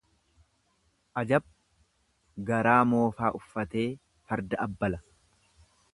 Ajab! garaa moofaa uffatee farda abbala.